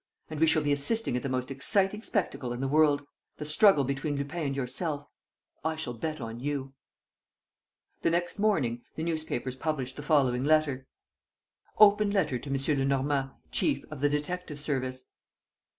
And we shall be assisting at the most exciting spectacle in the world: the struggle between Lupin and yourself. I shall bet on you." The next morning the newspapers published the following letter: "_Open Letter to M. Lenormand, Chief of the Detective service.